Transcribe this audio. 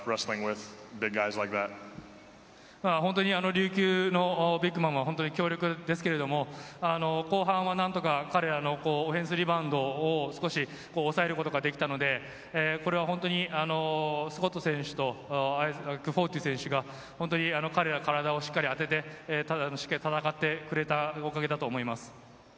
琉球のビッグマンはすごく強力ですけれども、後半は何とか彼らのオフェンスリバウンドを少し抑えることができたので、これは本当にスコット選手とフォトゥ選手が彼らが体をしっかり当てて、しっかり戦ってくれたおかげだと思います。